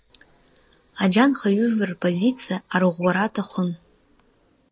Аџьанхаҩыжәлар рпозициа арӷәӷәара аҭахын.